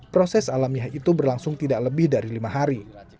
proses alamiah itu berlangsung tidak lebih dari lima hari